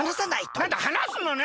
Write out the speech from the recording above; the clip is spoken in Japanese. なんだはなすのね。